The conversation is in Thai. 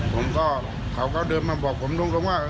เขาก็เขาก็เดินมาบอกผมตรงว่า